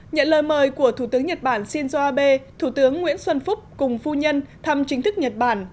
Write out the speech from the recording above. nhận lời mời của thủ tướng nhật bản shinzo abe thủ tướng nguyễn xuân phúc cùng phu nhân thăm chính thức nhật bản